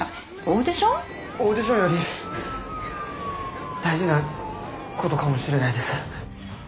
オーディションより大事なことかもしれないです。